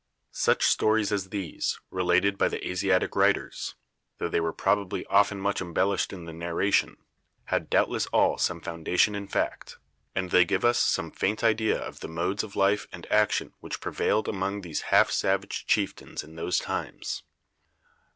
Such stories as these, related by the Asiatic writers, though they were probably often much embellished in the narration, had doubtless all some foundation in fact, and they give us some faint idea of the modes of life and action which prevailed among these half savage chieftains in those times.